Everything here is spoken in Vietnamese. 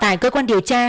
tại cơ quan điều tra